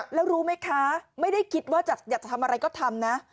แล้วรู้ไหมคะไม่ได้คิดว่าอยากจะทำอะไรก็ทำนะ